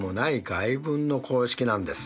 外分の公式なんです。